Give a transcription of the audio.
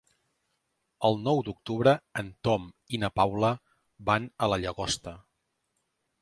El nou d'octubre en Tom i na Paula van a la Llagosta.